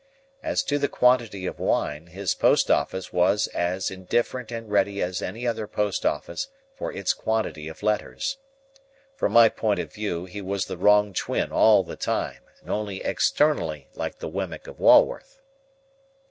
As to the quantity of wine, his post office was as indifferent and ready as any other post office for its quantity of letters. From my point of view, he was the wrong twin all the time, and only externally like the Wemmick of Walworth.